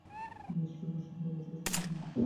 তিনি ষ্ট্রাসবুর্গ শহরে বসবাস করছিলেন।